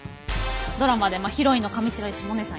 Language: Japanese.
ドラマでヒロインの上白石萌音さん